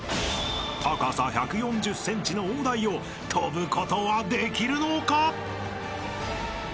［高さ１４０ｃｍの大台を跳ぶことはできるのか］